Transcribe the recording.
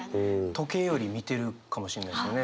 時計より見てるかもしれないですよね